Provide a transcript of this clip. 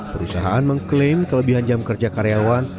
perusahaan mengklaim kelebihan jam kerja karyawan